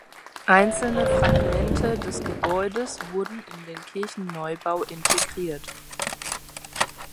Einzelne Fragmente des Gebäudes wurden in den Kirchenneubau integriert.